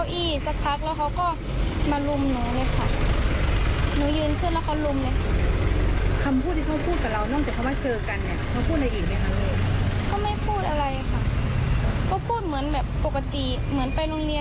แล้วหลังจากที่พ่อลุงทำร้ายหนูแล้วตีหนูแล้วเนี่ย